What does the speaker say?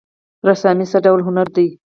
رسامي څه ډول هنر دی؟